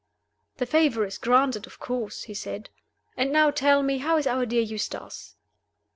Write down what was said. "The favor is granted, of course!" he said. "And now, tell me, how is our dear Eustace?"